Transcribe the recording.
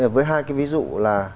với hai cái ví dụ là